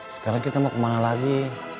sekarang kita mau kemana lagi